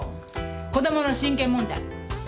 子供の親権問題。